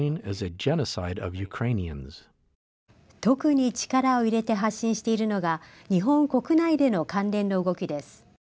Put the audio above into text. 特に力を入れて発信しているのが日本国内での関連の動きです。